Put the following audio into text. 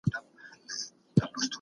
نیوکلاسیکانو د پانګې مفهوم پراخ کړ.